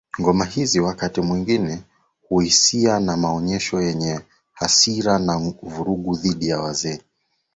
Ngoma hizi wakati mwingine huishia na maonyesho yenye hasira na vurugu dhidi ya wazee